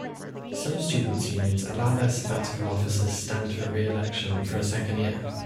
Some students' unions allow their sabbatical officers stand for re-election for a second year.